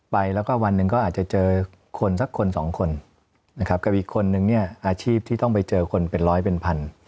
ไปแล้วก็วันหนึ่งก็อาจจะเจอคนสักคนสองคนนะครับกับอีกคนนึงเนี่ยอาชีพที่ต้องไปเจอคนเป็นร้อยเป็นพัน